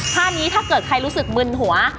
ท่านี้ถ้าเกิดใครรู้สึกมึนหัว